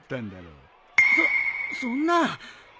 そっそんな。